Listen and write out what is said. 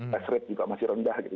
test rate juga masih rendah gitu